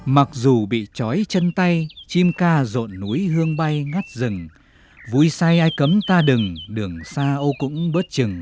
mặc dù bị chói chân tay chim ca rộn núi hương bay ngắt rừng vui say ai cấm ta đừng xa ô cũng bớt chừng